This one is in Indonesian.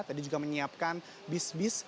tadi juga menyiapkan bis bis